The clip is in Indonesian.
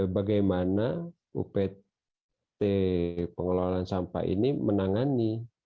bagaimana upt pengelolaan sampah ini menangani